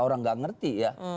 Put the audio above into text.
orang tidak mengerti ya